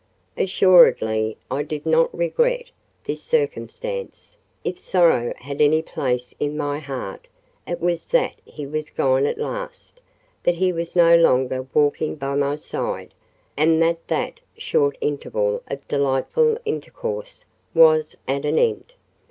Assuredly I did not regret this circumstance: if sorrow had any place in my heart, it was that he was gone at last—that he was no longer walking by my side, and that that short interval of delightful intercourse was at an end.